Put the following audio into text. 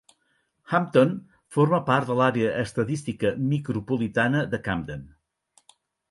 Hampton forma part de l'Àrea Estadística Micropolitana de Camden.